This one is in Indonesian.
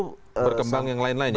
atau berkembang yang lain lain ya